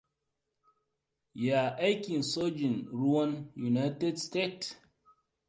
Ya aikin sojin ruwan United Stated.